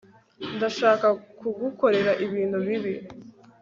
ndashaka kugukorera ibintu bibi